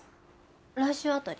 来週あたり。